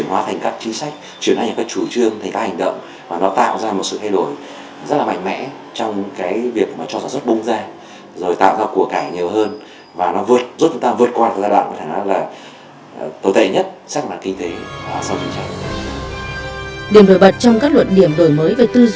đồng chí trường trinh đồng chí trường trinh đồng chí trường trinh